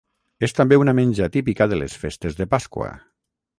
És també una menja típica de les festes de Pasqua.